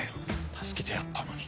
助けてやったのに。